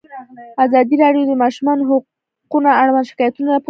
ازادي راډیو د د ماشومانو حقونه اړوند شکایتونه راپور کړي.